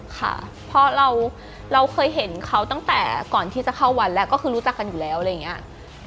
ค่ะเพราะเราเคยเห็นเขาตั้งแต่ก่อนที่จะเข้าวันแล้วก็คือรู้จักกันอยู่แล้วอะไรอย่างนี้